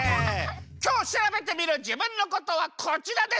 きょうしらべてみるじぶんのことはこちらです！